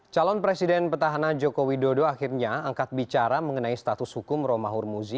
calon presiden petahana jokowi dodo akhirnya angkat bicara mengenai status hukum roma hurmuzi